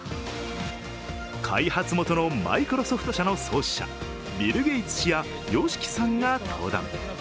開発元のマイクロソフト社の創始者ビル・ゲイツ氏やＹＯＳＨＩＫＩさんが登壇。